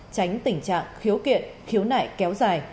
tránh tình trạng khiếu kiện khiếu nại kéo dài